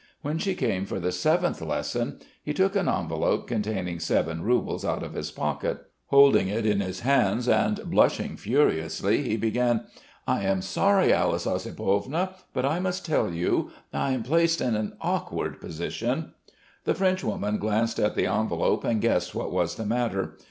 When she came for the seventh lesson he took an envelope containing seven roubles out of his pocket. Holding it in his hands and blushing furiously, he began: "I am sorry, Alice Ossipovna, but I must tell you.... I am placed in an awkward position...." The Frenchwoman glanced at the envelope and guessed what was the matter.